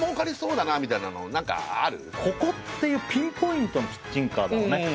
ここっていうピンポイントのキッチンカーだろうね。